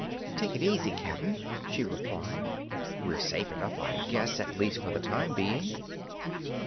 "Take it easy, Cap'n," she replied. "We're safe enough, I guess, at least for the time being."